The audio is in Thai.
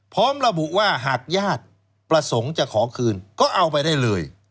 พร้อมระบุว่าหากญาติประสงค์จะขอคืนก็เอาไปได้เลย